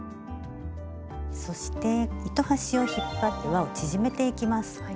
そして糸端を引っ張ってわを縮めていきます。